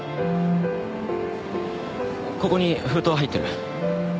ここに封筒が入ってる。